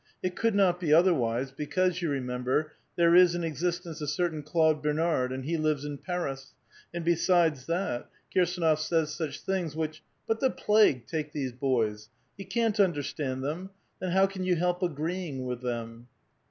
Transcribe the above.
It could not be otherwise, because, you remember, there is in existence a certain Claude Ber nard, and he lives in Paris ; and besides that, Kirsdnof says such things which — but the plague take these boys! You can't understand them ! Then how can you help agreeing with them